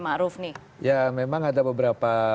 ma'ruf nih ya memang ada beberapa